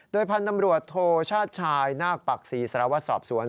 โดยพันธุ์นำรวจโทชาชายนาคปรักษีสรวสอบสวน